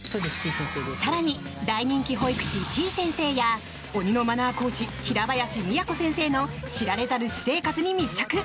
更に大人気保育士てぃ先生や鬼のマナー講師、平林都先生の知られざる私生活に密着。